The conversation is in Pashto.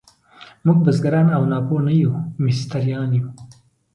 موږ بزګران او ناپوه نه یو، مستریان یو.